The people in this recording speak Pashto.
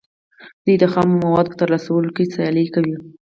دوی د خامو موادو په ترلاسه کولو کې سیالي کوي